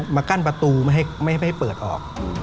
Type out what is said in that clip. มากั้นประตูไม่ให้เปิดออก